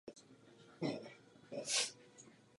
Je součástí vedení totální války.